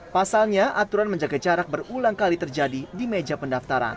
pasalnya aturan menjaga jarak berulang kali terjadi di meja pendaftaran